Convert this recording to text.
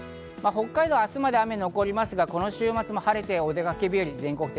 北海道は明日まで雨が残りますが、この週末も晴れてお出かけ日和。